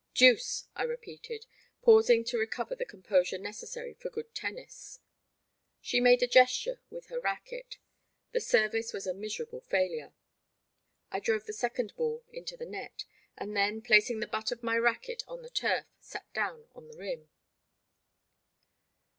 Deuce,'' I repeated, pausing to recover the composure necessary for good tennis. She made a gesture with her racquet. The service was a miserable failure. I drove the second ball into the net, and then, placing the butt of my racquet on the turf, sat down on the rim.